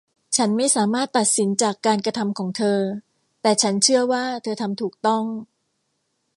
ฉันไม่สามารถตัดสินจากการกระทำของเธอ แต่ฉันเชื่อว่าเธอทำถูกต้อง